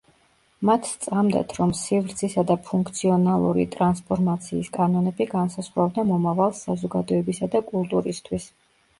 მათ სწამდათ, რომ სივრცისა და ფუნქციონალური ტრანსფორმაციის კანონები განსაზღვრავდა მომავალს საზოგადოებისა და კულტურისთვის.